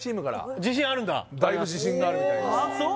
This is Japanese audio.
だいぶ自信があるみたいです